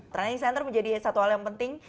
training center menjadi satu hal yang penting